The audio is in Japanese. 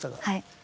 はい。